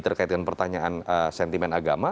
terkait pertanyaan sentimen agama